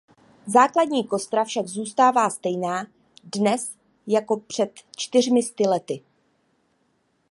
Základní kostra však zůstává stejná dnes jako před čtyřmi sty lety.